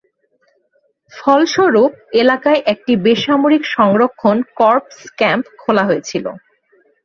ফলস্বরূপ, এলাকায় একটি বেসামরিক সংরক্ষণ কর্পস ক্যাম্প খোলা হয়েছিল।